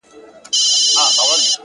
مهرباني د سختو حالاتو نرموونکې ده،